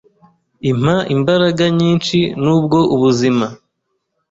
impa imbaraga nyinshi nubwo ubuzima